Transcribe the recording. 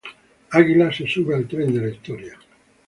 Águilas se sube al tren de la historia